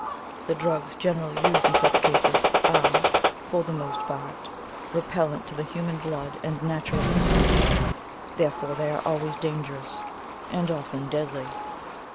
The drugs generally used in such cases are, for the most part, repellent to the human blood and natural instinct, therefore they are always dangerous, and often deadly.